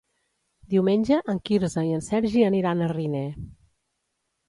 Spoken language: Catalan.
Diumenge en Quirze i en Sergi aniran a Riner.